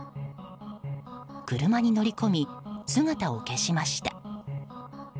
車に乗り込み、姿を消しました。